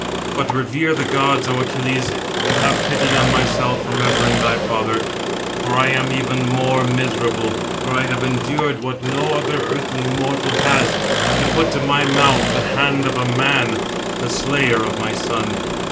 But revere the gods, O Achilles, and have pity on myself, remembering thy father; for I am even more miserable, for I have endured what no other earthly mortal [has], to put to my mouth the hand of a man, the slayer of my son."